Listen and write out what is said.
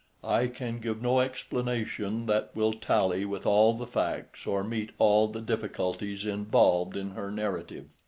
I can give no explanation that will tally with all the facts or meet all the difficulties involved in her narrative.